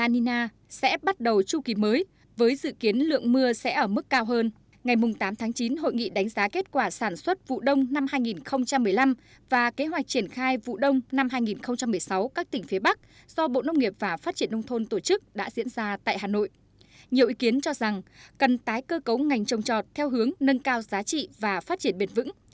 nhiều ý kiến cho rằng cần tái cơ cấu ngành trồng trọt theo hướng nâng cao giá trị và phát triển bền vững